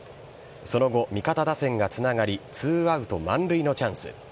その後、味方打線がつながり２アウト満塁のチャンス。